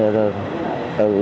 từ mùng một tết